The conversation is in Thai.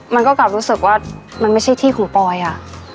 มันก็กลับรู้สึกว่ามันไม่ใช่ที่ของปอยอ่ะ